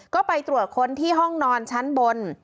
ก็ไปตรวจค้นที่ห้องนอนชั้นบน